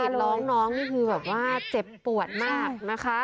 ร้องน้องนี่คือแบบว่าเจ็บปวดมากนะคะ